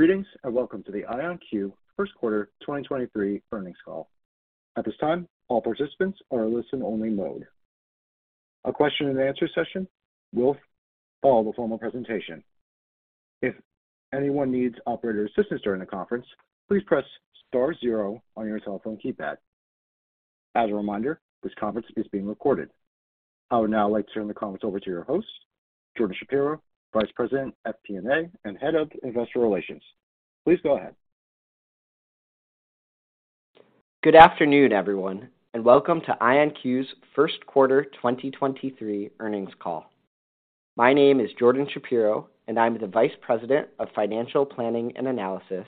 Greetings, welcome to the IonQ first quarter 2023 earnings call. At this time, all participants are in listen only mode. A question and answer session will follow the formal presentation. If anyone needs operator assistance during the conference, please press star zero on your telephone keypad. As a reminder, this conference is being recorded. I would now like to turn the conference over to your host, Jordan Shapiro, Vice President at FP&A and Head of Investor Relations. Please go ahead. Good afternoon, everyone, welcome to IonQ's first quarter 2023 earnings call. My name is Jordan Shapiro, and I'm the Vice President of Financial Planning & Analysis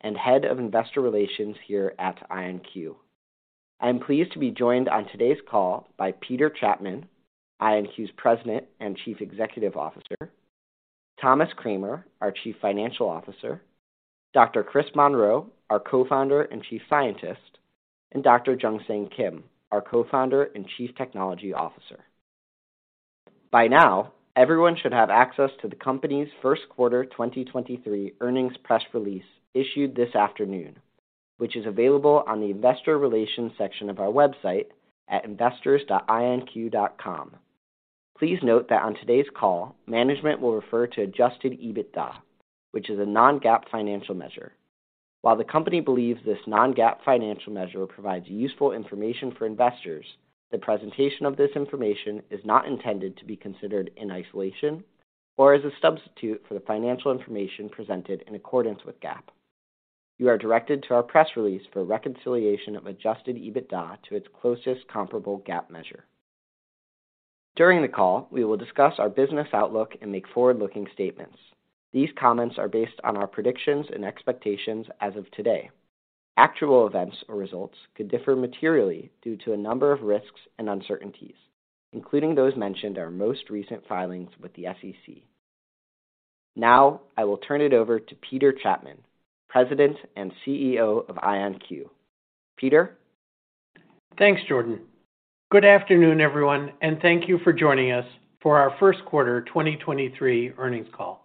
and Head of Investor Relations here at IonQ. I am pleased to be joined on today's call by Peter Chapman, IonQ's President and Chief Executive Officer, Thomas Kramer, our Chief Financial Officer, Dr. Chris Monroe, our Co-founder and Chief Scientist, and Dr. Jungsang Kim, our Co-founder and Chief Technology Officer. By now, everyone should have access to the company's first quarter 2023 earnings press release issued this afternoon, which is available on the investor relations section of our website at investors.ionq.com. Please note that on today's call, management will refer to adjusted EBITDA, which is a non-GAAP financial measure. While the company believes this non-GAAP financial measure provides useful information for investors, the presentation of this information is not intended to be considered in isolation or as a substitute for the financial information presented in accordance with GAAP. You are directed to our press release for reconciliation of adjusted EBITDA to its closest comparable GAAP measure. During the call, we will discuss our business outlook and make forward-looking statements. These comments are based on our predictions and expectations as of today. Actual events or results could differ materially due to a number of risks and uncertainties, including those mentioned in our most recent filings with the SEC. Now I will turn it over to Peter Chapman, President and CEO of IonQ. Peter? Thanks, Jordan. Good afternoon, everyone, and thank you for joining us for our first quarter 2023 earnings call.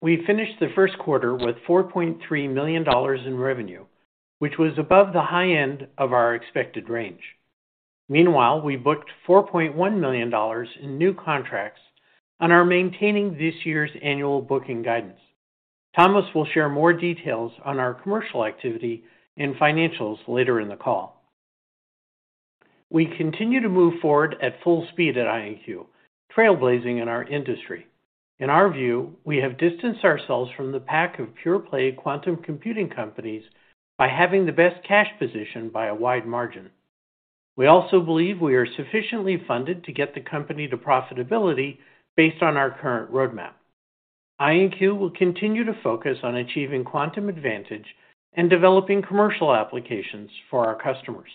We finished the first quarter with $4.3 million in revenue, which was above the high end of our expected range. Meanwhile, we booked $4.1 million in new contracts and are maintaining this year's annual booking guidance. Thomas will share more details on our commercial activity and financials later in the call. We continue to move forward at full speed at IonQ, trailblazing in our industry. In our view, we have distanced ourselves from the pack of pure play quantum computing companies by having the best cash position by a wide margin. We also believe we are sufficiently funded to get the company to profitability based on our current roadmap. IonQ will continue to focus on achieving quantum advantage and developing commercial applications for our customers.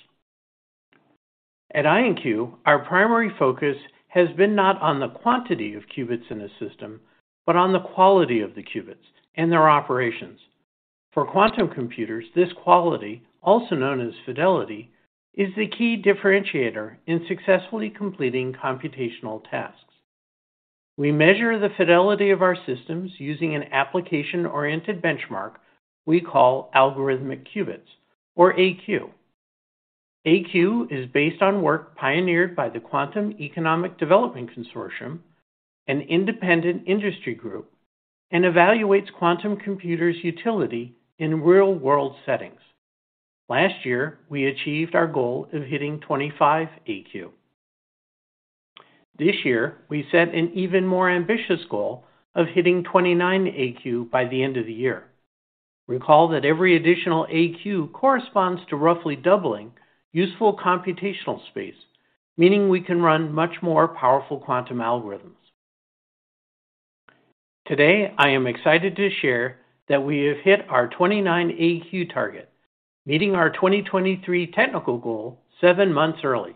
At IonQ, our primary focus has been not on the quantity of qubits in a system, but on the quality of the qubits and their operations. For quantum computers, this quality, also known as fidelity, is the key differentiator in successfully completing computational tasks. We measure the fidelity of our systems using an application-oriented benchmark we call algorithmic qubits, or ##AQ. ##AQ is based on work pioneered by the Quantum Economic Development Consortium, an independent industry group, and evaluates quantum computers utility in real-world settings. Last year, we achieved our goal of hitting 25 #AQ. This year, we set an even more ambitious goal of hitting 29 #AQ by the end of the year. Recall that every additional #AQ corresponds to roughly doubling useful computational space, meaning we can run much more powerful quantum algorithms. Today, I am excited to share that we have hit our 29 #AQ target, meeting our 2023 technical goal seven months early.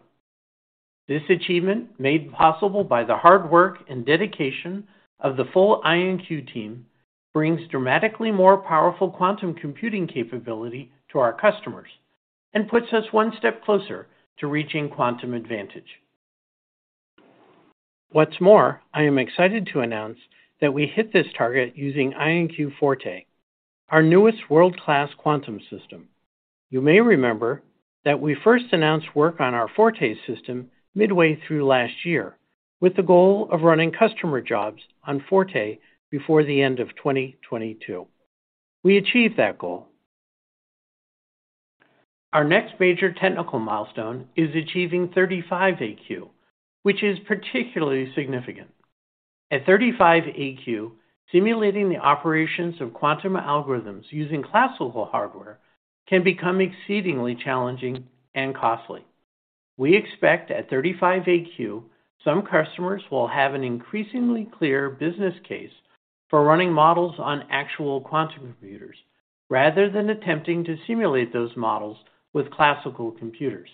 This achievement, made possible by the hard work and dedication of the full IonQ team, brings dramatically more powerful quantum computing capability to our customers and puts us one step closer to reaching quantum advantage. What's more, I am excited to announce that we hit this target using IonQ Forte, our newest world-class quantum system. You may remember that we first announced work on our Forte system midway through last year with the goal of running customer jobs on Forte before the end of 2022. We achieved that goal. Our next major technical milestone is achieving 35 #AQ, which is particularly significant. At 35 #AQ, simulating the operations of quantum algorithms using classical hardware can become exceedingly challenging and costly. We expect at 35 #AQ, some customers will have an increasingly clear business case for running models on actual quantum computers, rather than attempting to simulate those models with classical computers.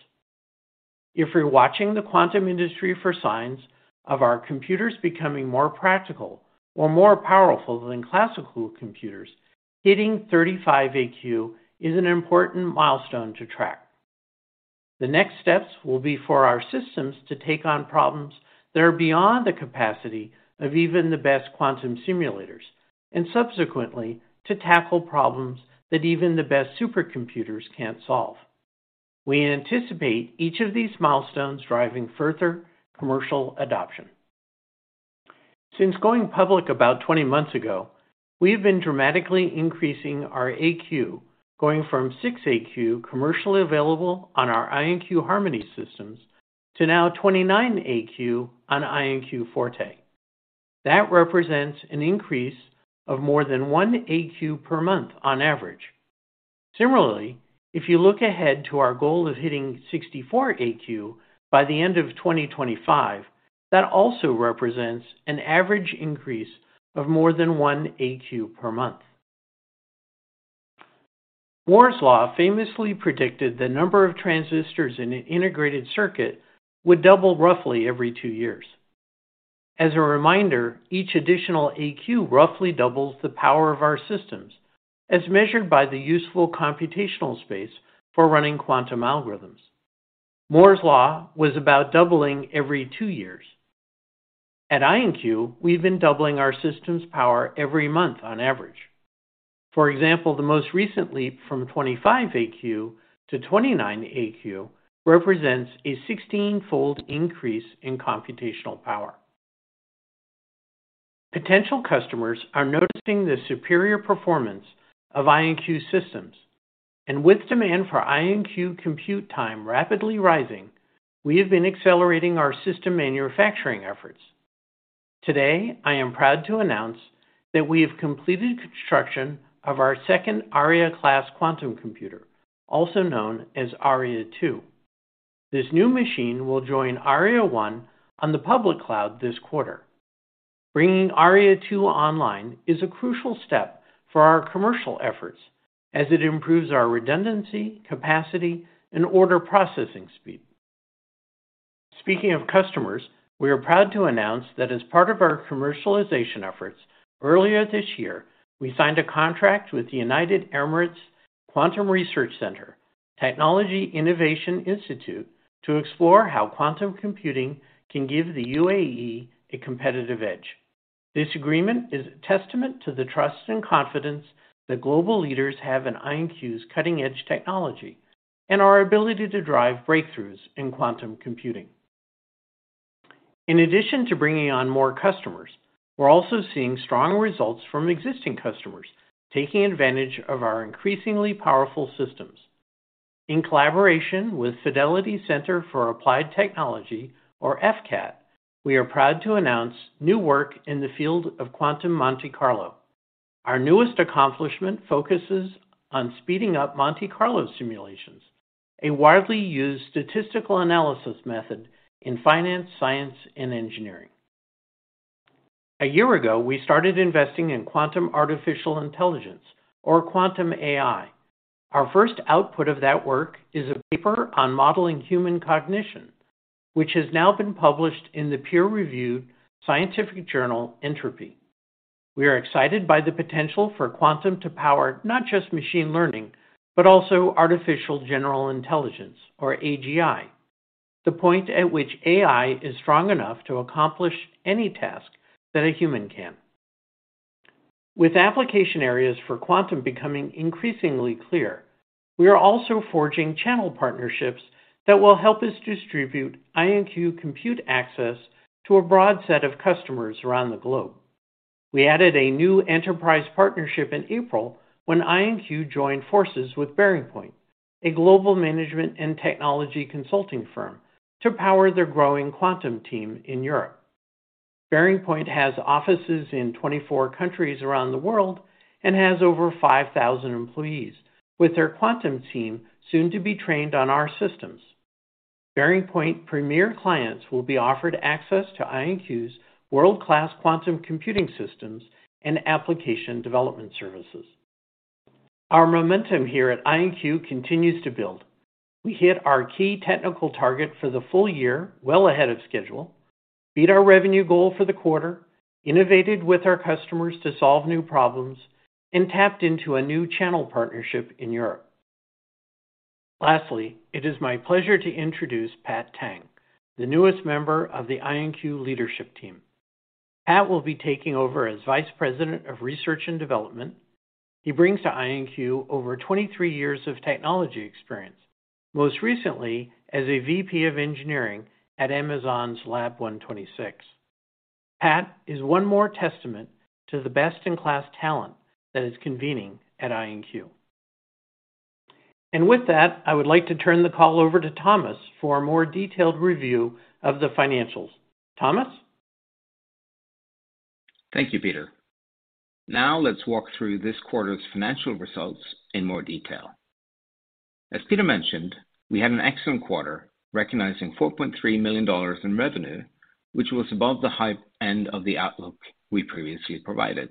If you're watching the quantum industry for signs of our computers becoming more practical or more powerful than classical computers, hitting 35 #AQ is an important milestone to track. The next steps will be for our systems to take on problems that are beyond the capacity of even the best quantum simulators, and subsequently, to tackle problems that even the best supercomputers can't solve. We anticipate each of these milestones driving further commercial adoption. Since going public about 20 months ago, we have been dramatically increasing our #AQ, going from six #AQ commercially available on our IonQ Harmony systems to now 29 #AQ on IonQ Forte. That represents an increase of more than one #AQ per month on average. Similarly, if you look ahead to our goal of hitting 64 #AQ by the end of 2025, that also represents an average increase of more than one #AQ per month. Moore's Law famously predicted the number of transistors in an integrated circuit would double roughly every two years. As a reminder, each additional #AQ roughly doubles the power of our systems, as measured by the useful computational space for running quantum algorithms. Moore's Law was about doubling every two years. At IonQ, we've been doubling our systems power every month on average. For example, the most recent leap from 25 #AQ to 29 #AQ represents a 16-fold increase in computational power. Potential customers are noticing the superior performance of IonQ systems, and with demand for IonQ compute time rapidly rising, we have been accelerating our system manufacturing efforts. Today, I am proud to announce that we have completed construction of our second Aria-class quantum computer, also known as Aria 2. This new machine will join Aria 1 on the public cloud this quarter. Bringing Aria 2 online is a crucial step for our commercial efforts as it improves our redundancy, capacity, and order processing speed. Speaking of customers, we are proud to announce that as part of our commercialization efforts, earlier this year, we signed a contract with the United Emirates Quantum Research Center Technology Innovation Institute to explore how quantum computing can give the UAE a competitive edge. This agreement is a testament to the trust and confidence that global leaders have in IonQ's cutting-edge technology and our ability to drive breakthroughs in quantum computing. In addition to bringing on more customers, we're also seeing strong results from existing customers taking advantage of our increasingly powerful systems. In collaboration with Fidelity Center for Applied Technology (FCAT), we are proud to announce new work in the field of quantum Monte Carlo. Our newest accomplishment focuses on speeding up Monte Carlo simulations, a widely used statistical analysis method in finance, science, and engineering. A year ago, we started investing in Quantum AI, or Quantum AI. Our first output of that work is a paper on modeling human cognition, which has now been published in the peer-reviewed scientific journal Entropy. We are excited by the potential for quantum to power not just machine learning, but also artificial general intelligence, or AGI, the point at which AI is strong enough to accomplish any task that a human can. With application areas for quantum becoming increasingly clear, we are also forging channel partnerships that will help us distribute IonQ compute access to a broad set of customers around the globe. We added a new enterprise partnership in April when IonQ joined forces with BearingPoint, a global management and technology consulting firm, to power their growing quantum team in Europe. BearingPoint has offices in 24 countries around the world and has over 5,000 employees with their quantum team soon to be trained on our systems. BearingPoint premier clients will be offered access to IonQ's world-class quantum computing systems and application development services. Our momentum here at IonQ continues to build. We hit our key technical target for the full year well ahead of schedule, beat our revenue goal for the quarter, innovated with our customers to solve new problems, and tapped into a new channel partnership in Europe. Lastly, it is my pleasure to introduce Pat Tang, the newest member of the IonQ leadership team. Pat will be taking over as Vice President of Research and Development. He brings to IonQ over 23 years of technology experience, most recently as a VP of engineering at Amazon's Lab126. Pat is one more testament to the best-in-class talent that is convening at IonQ. With that, I would like to turn the call over to Thomas for a more detailed review of the financials. Thomas? Thank you, Peter. Let's walk through this quarter's financial results in more detail. As Peter mentioned, we had an excellent quarter, recognizing $4.3 million in revenue, which was above the high end of the outlook we previously provided.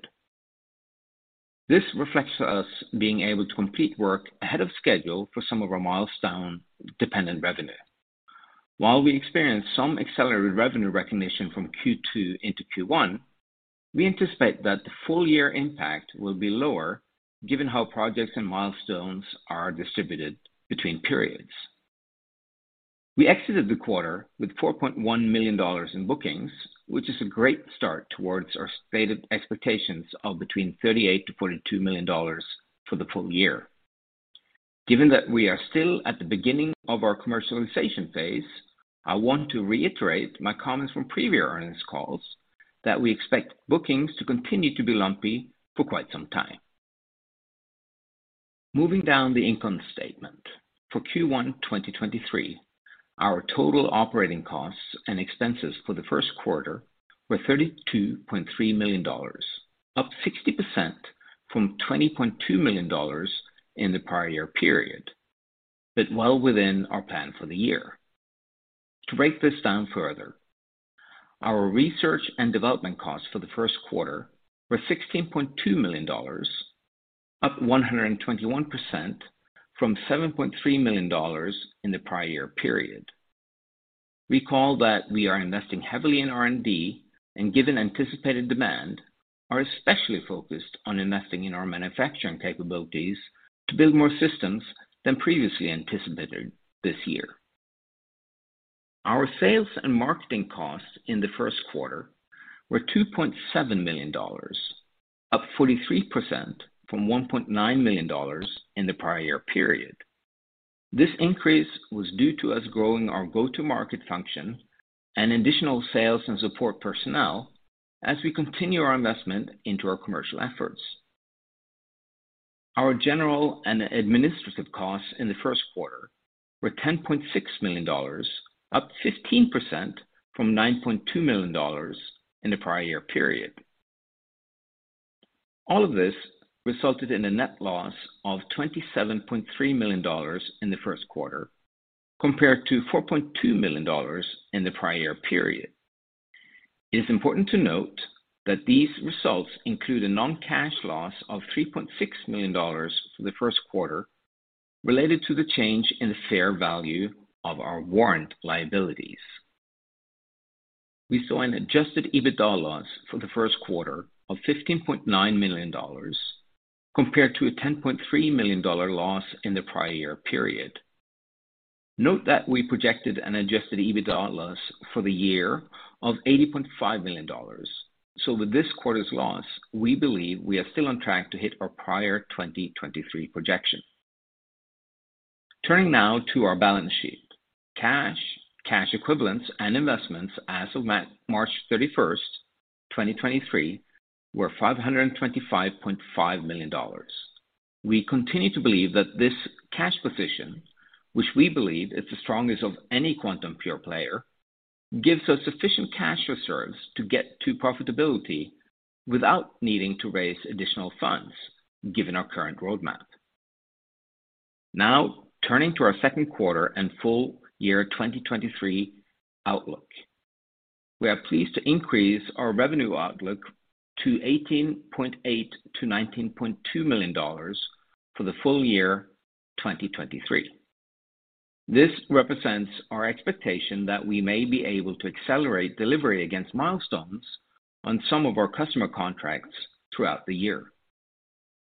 This reflects us being able to complete work ahead of schedule for some of our milestone-dependent revenue. While we experienced some accelerated revenue recognition from Q2 into Q1, we anticipate that the full year impact will be lower given how projects and milestones are distributed between periods. We exited the quarter with $4.1 million in bookings, which is a great start towards our stated expectations of between $38 million-$42 million for the full year. Given that we are still at the beginning of our commercialization phase, I want to reiterate my comments from previous earnings calls that we expect bookings to continue to be lumpy for quite some time. Moving down the income statement. For Q1 2023, our total operating costs and expenses for the first quarter were $32.3 million, up 60% from $20.2 million in the prior-year period, but well within our plan for the year. To break this down further, our research and development costs for the first quarter were $16.2 million, up 121% from $7.3 million in the prior-year period. Recall that we are investing heavily in R&D and, given anticipated demand, are especially focused on investing in our manufacturing capabilities to build more systems than previously anticipated this year. Our sales and marketing costs in the first quarter were $2.7 million, up 43% from $1.9 million in the prior year period. This increase was due to us growing our go-to-market function and additional sales and support personnel as we continue our investment into our commercial efforts. Our general and administrative costs in the first quarter were $10.6 million, up 15% from $9.2 million in the prior year period. This resulted in a net loss of $27.3 million in the first quarter compared to $4.2 million in the prior year period. It is important to note that these results include a non-cash loss of $3.6 million for the first quarter related to the change in the fair value of our warrant liabilities. We saw an adjusted EBITDA loss for the first quarter of $15.9 million compared to a $10.3 million loss in the prior year period. Note that we projected an adjusted EBITDA loss for the year of $80.5 million. With this quarter's loss, we believe we are still on track to hit our prior 2023 projection. Turning now to our balance sheet. Cash, cash equivalents and investments as of March 31st, 2023 were $525.5 million. We continue to believe that this cash position, which we believe is the strongest of any quantum pure player, gives us sufficient cash reserves to get to profitability without needing to raise additional funds, given our current roadmap. Now turning to our second quarter and full year 2023 outlook. We are pleased to increase our revenue outlook to $18.8 million-$19.2 million for the full year 2023. This represents our expectation that we may be able to accelerate delivery against milestones on some of our customer contracts throughout the year.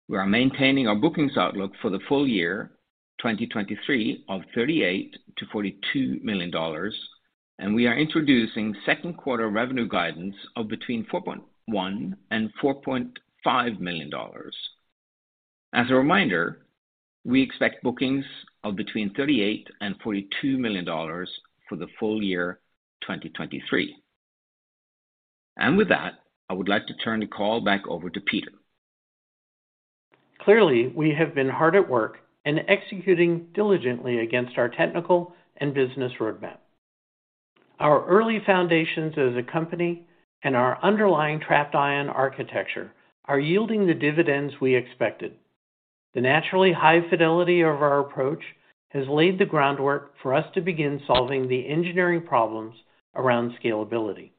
We are maintaining our bookings outlook for the full year 2023 of $38 million-$42 million, and we are introducing second quarter revenue guidance of between $4.1 million and $4.5 million. As a reminder, we expect bookings of between $38 million and $42 million for the full year 2023. With that, I would like to turn the call back over to Peter. Clearly, we have been hard at work and executing diligently against our technical and business roadmap. Our early foundations as a company and our underlying trapped ion architecture are yielding the dividends we expected. The naturally high fidelity of our approach has laid the groundwork for us to begin solving the engineering problems around scalability.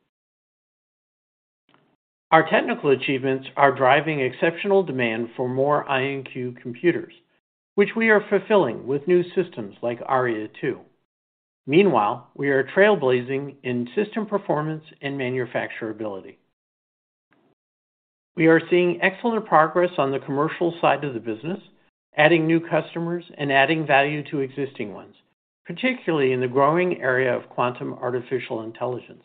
Our technical achievements are driving exceptional demand for more IonQ computers, which we are fulfilling with new systems like Aria 2. Meanwhile, we are trailblazing in system performance and manufacturability. We are seeing excellent progress on the commercial side of the business, adding new customers and adding value to existing ones, particularly in the growing area of Quantum Artificial Intelligence.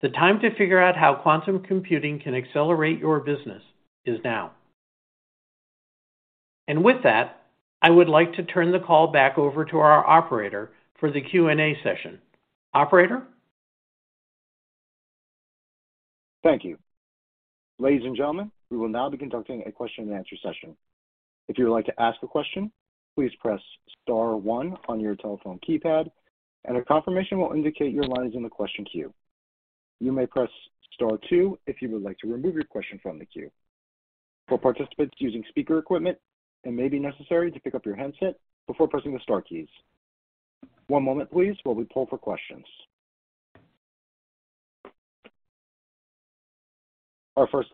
The time to figure out how quantum computing can accelerate your business is now. With that, I would like to turn the call back over to our operator for the Q&A session. Operator? Thank you. Ladies and gentlemen, we will now be conducting a question and answer session. If you would like to ask a question, please press star one on your telephone keypad, and a confirmation will indicate your line is in the question queue. You may press star two if you would like to remove your question from the queue. For participants using speaker equipment, it may be necessary to pick up your handset before pressing the star keys. One moment please while we poll for questions. Our first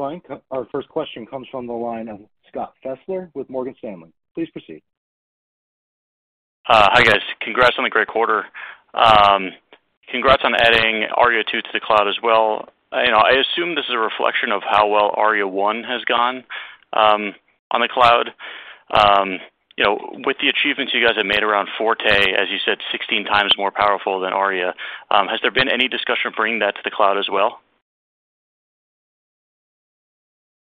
question comes from the line of Scott Fessler with Morgan Stanley. Please proceed. Hi guys. Congrats on the great quarter. Congrats on adding Aria 2 to the cloud as well. You know, I assume this is a reflection of how well Aria 1 has gone on the cloud. You know, with the achievements you guys have made around Forte, as you said, 16 times more powerful than Aria, has there been any discussion of bringing that to the cloud as well?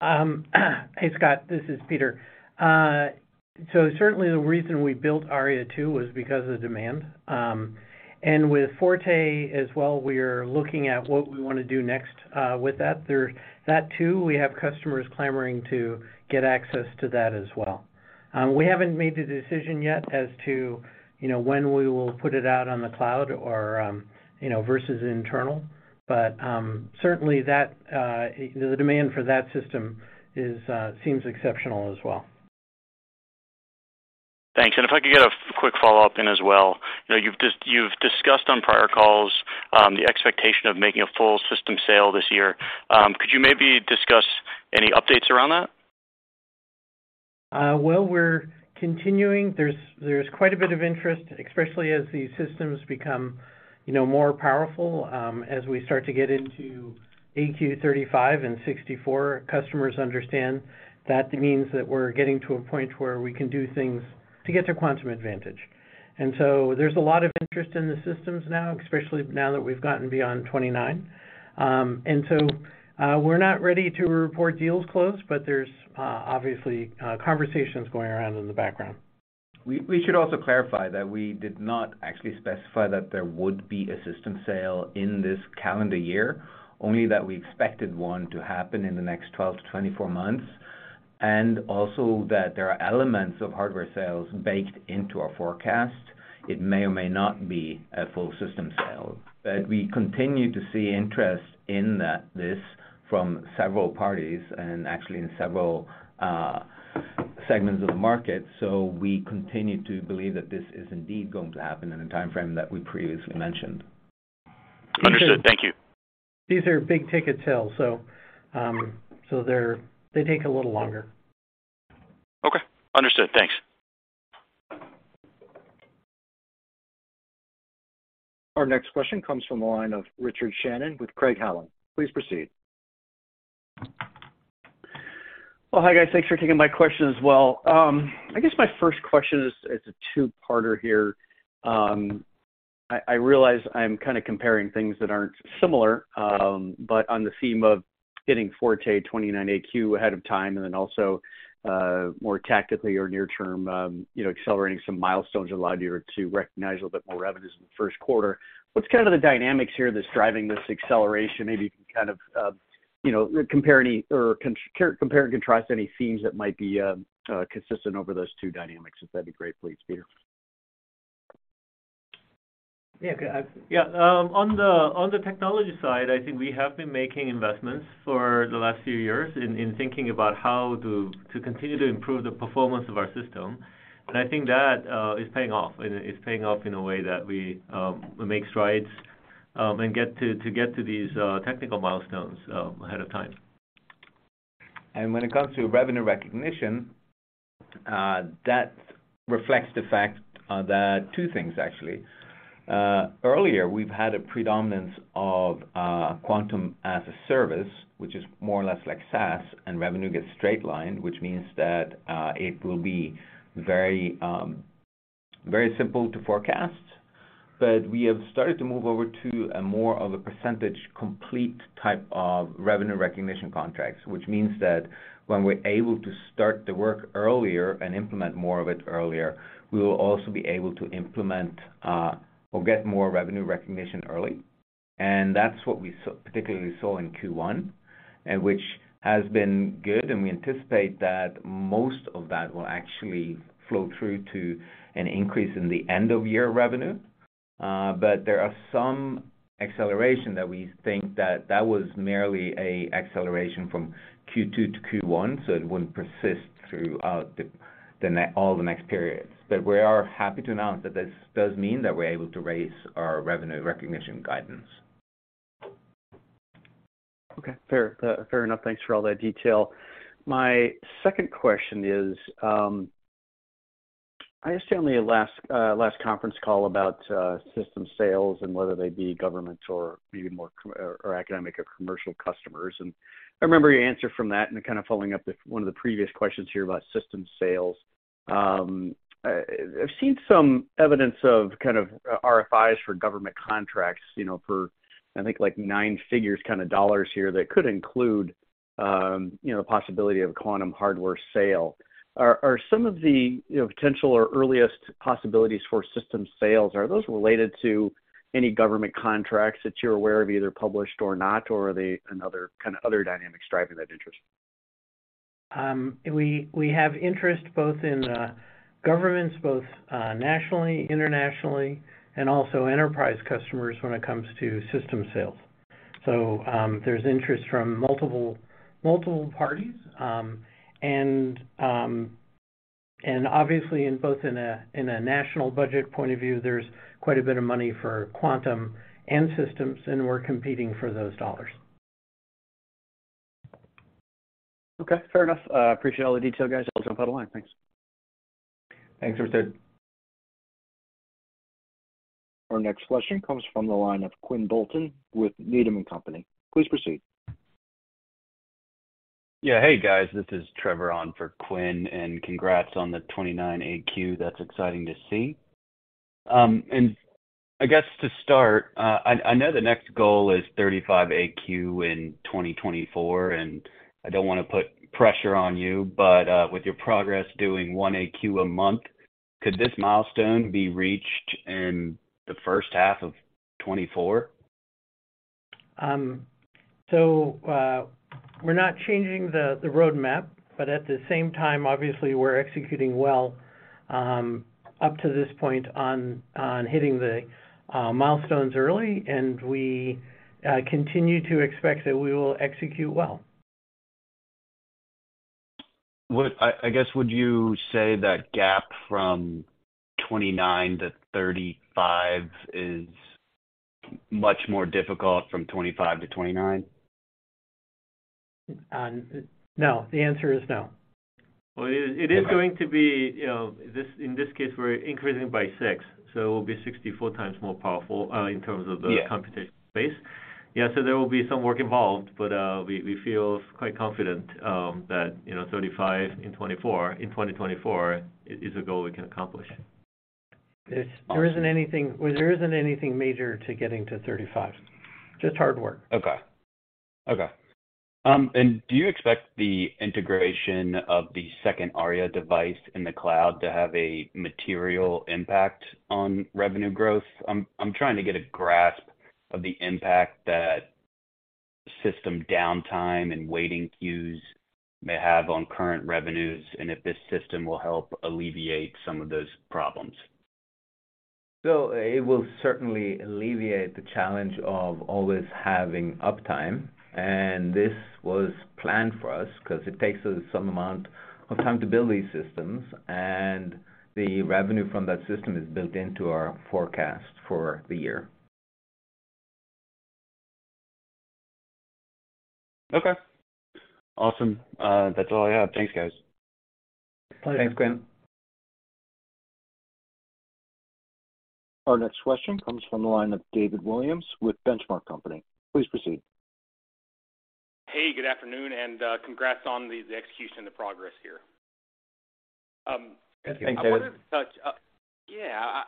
Hey, Scott. This is Peter. Certainly the reason we built Aria 2 was because of demand. With Forte as well, we're looking at what we wanna do next, with that there. That too, we have customers clamoring to get access to that as well. We haven't made the decision yet as to, you know, when we will put it out on the cloud or, you know, versus internal. Certainly that, you know, the demand for that system is, seems exceptional as well. Thanks. If I could get a quick follow-up in as well. You know, you've discussed on prior calls, the expectation of making a full system sale this year. Could you maybe discuss any updates around that? Well, we're continuing. There's quite a bit of interest, especially as these systems become, you know, more powerful, as we start to get into #AQ 35 and 64, customers understand that means that we're getting to a point where we can do things to get to quantum advantage. There's a lot of interest in the systems now, especially now that we've gotten beyond 29. We're not ready to report deals closed, but there's obviously conversations going around in the background. We should also clarify that we did not actually specify that there would be a system sale in this calendar year, only that we expected one to happen in the next 12-24 months. Also that there are elements of hardware sales baked into our forecast. It may or may not be a full system sale. We continue to see interest in this from several parties and actually in several segments of the market. We continue to believe that this is indeed going to happen in the timeframe that we previously mentioned. Understood. Thank you. These are big-ticket sales, so they take a little longer. Okay. Understood. Thanks. Our next question comes from the line of Richard Shannon with Craig-Hallum. Please proceed. Well, hi guys. Thanks for taking my question as well. I guess my first question is, it's a two-parter here. I realize I'm kind of comparing things that aren't similar, but on the theme of getting Forte 29 #AQ ahead of time and then also, more tactically or near term, you know, accelerating some milestones allowed you to recognize a little bit more revenues in the first quarter. What's kind of the dynamics here that's driving this acceleration? Maybe you can kind of, you know, compare and contrast any themes that might be consistent over those two dynamics. That'd be great. Please. Yeah. On the technology side, I think we have been making investments for the last few years in thinking about how to continue to improve the performance of our system. I think that is paying off, and it's paying off in a way that we make strides and get to these technical milestones ahead of time. When it comes to revenue recognition, that reflects the fact that two things actually. Earlier we've had a predominance of quantum as a service, which is more or less like SaaS and revenue gets straight lined, which means that it will be very simple to forecast. We have started to move over to a more of a percentage complete type of revenue recognition contracts, which means that when we're able to start the work earlier and implement more of it earlier, we will also be able to implement or get more revenue recognition early. That's what we particularly saw in Q1, which has been good, and we anticipate that most of that will actually flow through to an increase in the end of year revenue. There are some acceleration that we think that that was merely a acceleration from Q2 to Q1, so it wouldn't persist throughout all the next periods. We are happy to announce that this does mean that we're able to raise our revenue recognition guidance. Okay. Fair, fair enough. Thanks for all that detail. My second question is, I understand the last last conference call about system sales and whether they be governments or maybe more or academic or commercial customers. I remember your answer from that and kind of following up with one of the previous questions here about system sales. I've seen some evidence of kind of RFIs for government contracts, you know, for I think like 9 figures kind of dollars here that could include, you know, the possibility of quantum hardware sale. Are some of the, you know, potential or earliest possibilities for system sales, are those related to any government contracts that you're aware of, either published or not, or are they another kind of other dynamics driving that interest? We have interest both in governments, both nationally, internationally, and also enterprise customers when it comes to system sales. There's interest from multiple parties. Obviously in both in a national budget point of view, there's quite a bit of money for quantum and systems, and we're competing for those dollars. Okay, fair enough. Appreciate all the detail, guys. I'll jump out of line. Thanks. Thanks, Richard. Our next question comes from the line of Quinn Bolton with Needham and Company. Please proceed. Yeah. Hey, guys. This is Trevor on for Quinn. Congrats on the 29 #AQ. That's exciting to see. I guess to start, I know the next goal is 35 #AQ in 2024. I don't wanna put pressure on you, but with your progress doing 1 #AQ a month, could this milestone be reached in the first half of 2024? We're not changing the roadmap, but at the same time, obviously we're executing well, up to this point on hitting the milestones early, and we continue to expect that we will execute well. I guess, would you say that gap from 29-35 is much more difficult from 25-29? No, the answer is no. Well, it is. Okay. It is going to be, you know, in this case, we're increasing by six, so it will be 64 times more powerful, in terms of. Yeah. The computational space. Yeah, there will be some work involved, but we feel quite confident that, you know, 35 in 24, in 2024 is a goal we can accomplish. Awesome. Well, there isn't anything major to getting to 35. Just hard work. Okay. Okay. Do you expect the integration of the second Aria device in the cloud to have a material impact on revenue growth? I'm trying to get a grasp of the impact that system downtime and waiting queues may have on current revenues, and if this system will help alleviate some of those problems. It will certainly alleviate the challenge of always having uptime, and this was planned for us because it takes us some amount of time to build these systems, and the revenue from that system is built into our forecast for the year. Okay. Awesome. That's all I have. Thanks, guys. Pleasure. Thanks, Quinn. Our next question comes from the line of David Williams with Benchmark Company. Please proceed. Hey, good afternoon, and congrats on the execution and the progress here. Thanks, David. Yeah.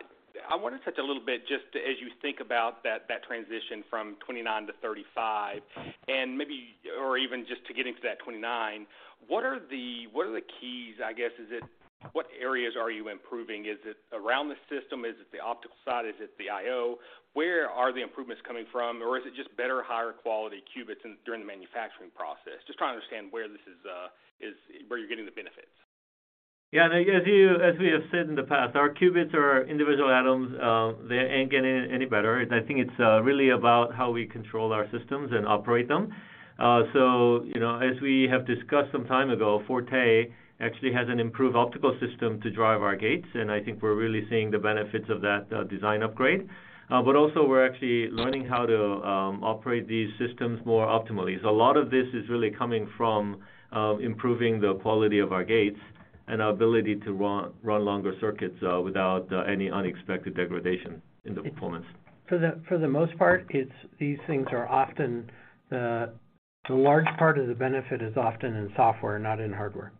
I wanted to touch a little bit just as you think about that transition from 29-35 and maybe or even just to getting to that 29, what are the keys, I guess? Is it what areas are you improving? Is it around the system? Is it the optical side? Is ie IO? Where are the improvements coming from, or is it just better, higher quality qubits during the manufacturing process? Just trying to understand where this is where you're getting the benefits. As we have said in the past, our qubits are individual atoms. They ain't getting any better. I think it's really about how we control our systems and operate them. You know, as we have discussed some time ago, Forte actually has an improved optical system to drive our gates, and I think we're really seeing the benefits of that design upgrade. But also we're actually learning how to operate these systems more optimally. A lot of this is really coming from improving the quality of our gates and our ability to run longer circuits without any unexpected degradation in the performance. For the most part, it's these things are often the. The large part of the benefit is often in software, not in hardware.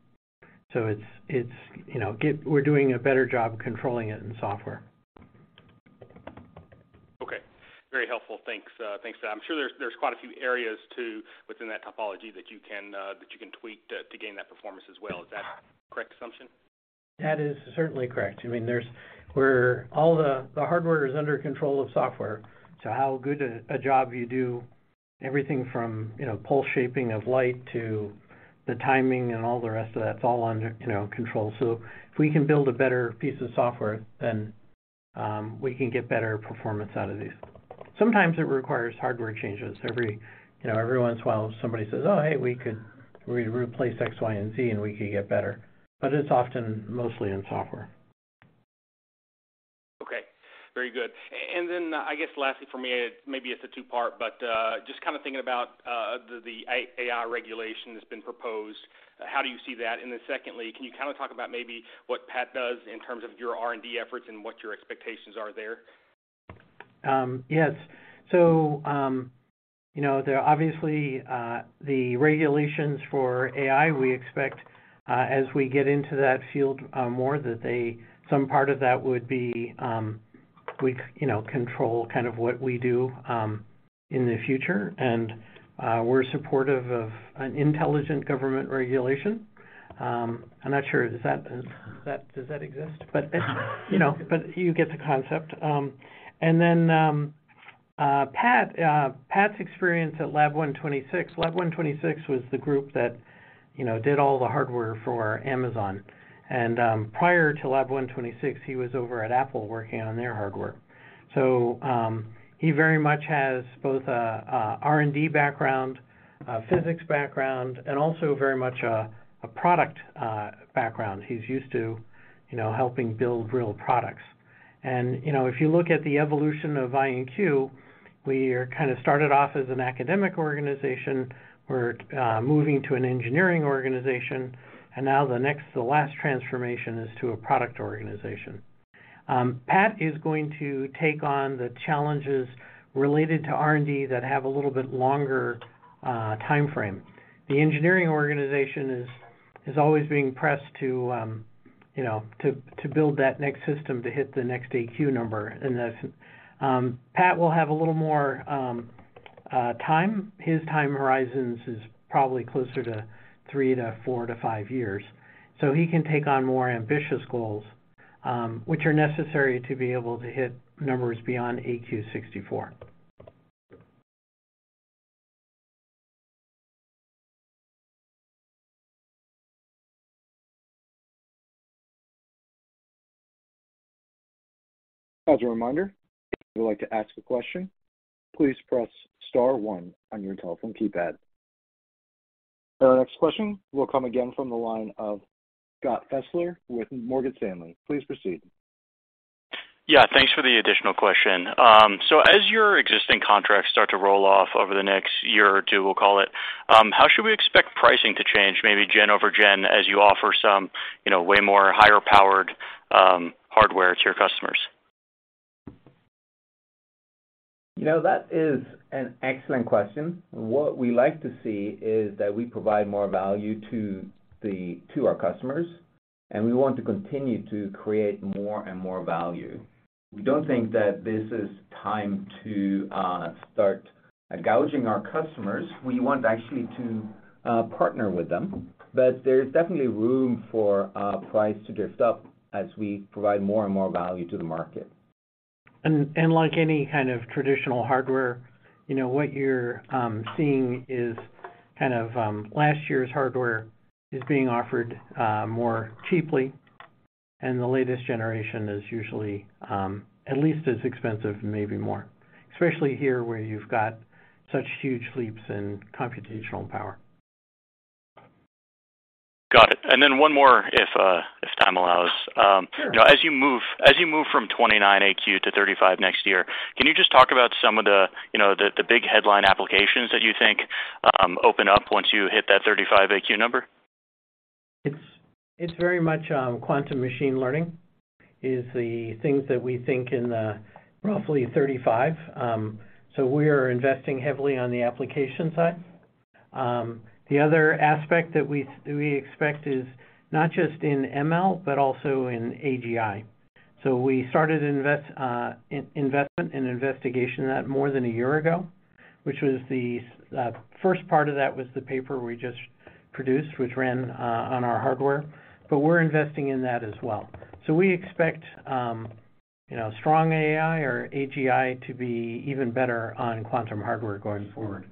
It's, it's, you know, we're doing a better job controlling it in software. Okay. Very helpful. Thanks. Thanks. I'm sure there's quite a few areas too within that topology that you can tweak to gain that performance as well. Is that a correct assumption? That is certainly correct. I mean, all the hardware is under control of software, so how good a job you do, everything from, you know, pulse shaping of light to the timing and all the rest of that, it's all under, you know, control. If we can build a better piece of software, then we can get better performance out of these. Sometimes it requires hardware changes. Every, you know, every once in a while, somebody says, "Oh, hey, we could replace X, Y, and Z, and we could get better." It's often mostly in software. Okay. Very good. I guess lastly from me, maybe it's a two-part, but just kinda thinking about the AI regulation that's been proposed, how do you see that? Secondly, can you kinda talk about maybe what Pat does in terms of your R&D efforts and what your expectations are there? Yes. You know, there are obviously, the regulations for AI we expect, as we get into that field, more that they... Some part of that would be, we, you know, control kind of what we do, in the future. We're supportive of an intelligent government regulation. I'm not sure. Does that exist? You know, but you get the concept. Then, Pat's experience at Lab126. Lab126 was the group that, you know, did all the hardware for Amazon. Prior to Lab126, he was over at Apple working on their hardware. He very much has both a R&D background, a physics background, and also very much a product background. He's used to, you know, helping build real products. You know, if you look at the evolution of IonQ, we are kind of started off as an academic organization. We're moving to an engineering organization, and now the next to last transformation is to a product organizatio. Pat is going to take on the challenges related to R&D that have a little bit longer timeframe. The engineering organization is always being pressed to, you know, to build that next system to hit the next #AQ number, and that's. Pat will have a little more time. His time horizons is probably closer to three to four to five years, so he can take on more ambitious goals, which are necessary to be able to hit numbers beyond #AQ 64. As a reminder, if you would like to ask a question, please press star one on your telephone keypad. Our next question will come again from the line of Scott Fessler with Morgan Stanley. Please proceed. Yeah. Thanks for the additional question. As your existing contracts start to roll off over the next year or two, we'll call it, how should we expect pricing to change maybe gen over gen as you offer some, you know, way more higher-powered hardware to your customers? You know, that is an excellent question. What we like to see is that we provide more value to our customers, and we want to continue to create more and more value. We don't think that this is time to start gouging our customers. We want actually to partner with them, but there's definitely room for price to drift up as we provide more and more value to the market. Like any kind of traditional hardware, you know, what you're seeing is kind of last year's hardware is being offered more cheaply and the latest generation is usually at least as expensive, maybe more, especially here where you've got such huge leaps in computational power. Got it. One more if time allows. Sure. You know, as you move from 29 #AQ to 35 next year, can you just talk about some of the, you know, the big headline applications that you think open up once you hit that 35 #AQ number? It's, it's very much, quantum machine learning is the things that we think can, roughly 35. We are investing heavily on the application side. The other aspect that we expect is not just in ML, but also in AGI. We started investment and investigation that more than a year ago, which was the first part of that was the paper we just produced, which ran on our hardware. We're investing in that as well. We expect, you know, strong AI or AGI to be even better on quantum hardware going forward.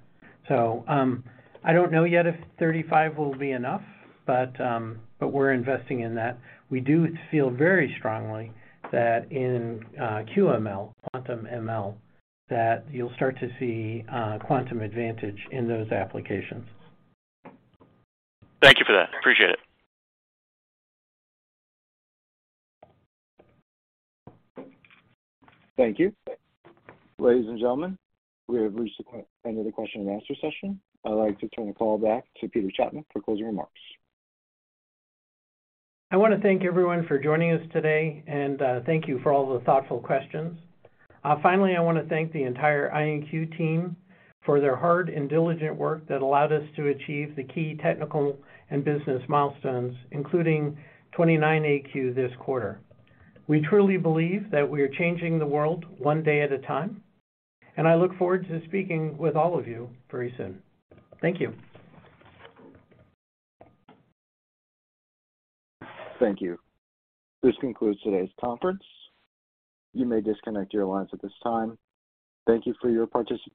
I don't know yet if 35 will be enough, we're investing in that. We do feel very strongly that in QML, quantum ML, that you'll start to see quantum advantage in those applications. Thank you for that. Appreciate it. Thank you. Ladies and gentlemen, we have reached the end of the question and answer session. I'd like to turn the call back to Peter Chapman for closing remarks. I wanna thank everyone for joining us today. Thank you for all the thoughtful questions. Finally, I wanna thank the entire IonQ team for their hard and diligent work that allowed us to achieve the key technical and business milestones, including 29 #AQ this quarter. We truly believe that we are changing the world one day at a time. I look forward to speaking with all of you very soon. Thank you. Thank you. This concludes today's conference. You may disconnect your lines at this time. Thank you for your participation.